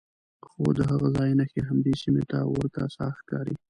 خو د هغه ځای نښې همدې سیمې ته ورته ساحه ښکاري.